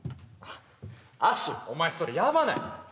アッシュお前それやばない？